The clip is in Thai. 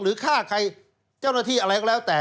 ฆ่าใครเจ้าหน้าที่อะไรก็แล้วแต่